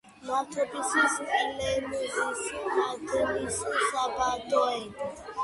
ნავთობის, სპილენძის მადნის საბადოები.